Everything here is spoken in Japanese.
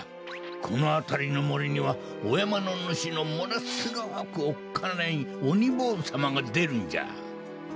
このあたりのもりにはおやまのぬしのものすごくおっかないおにぼうずさまがでるんじゃ。